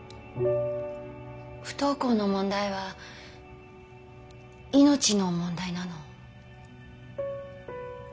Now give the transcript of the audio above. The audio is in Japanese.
不登校の問題は命の問題なの。